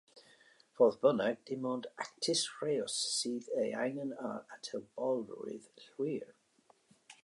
Fodd bynnag, dim ond "actus reus" sydd ei angen ar atebolrwydd llwyr.